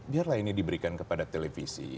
biarlah ini diberikan kepada televisi